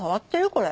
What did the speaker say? これ。